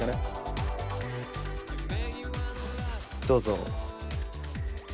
どうぞ。